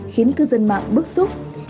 khiến cư dân mạng bức xúc